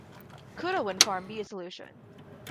Could a wind farm be a solution?